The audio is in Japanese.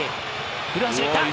古橋いった！